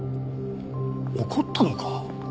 怒ったのか？